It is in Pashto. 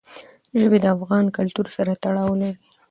ژبې د افغان کلتور سره تړاو لري.